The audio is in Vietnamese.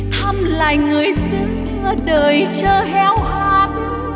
thăm lại người xưa đời chờ héo hát